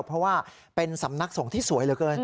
เพราะว่าเป็นสำนักสงฆ์ที่สวยเหลือเกิน